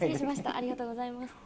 ありがとうございます。